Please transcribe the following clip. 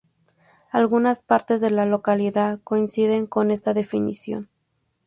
Algunas partes de la localidad coinciden con esta definición.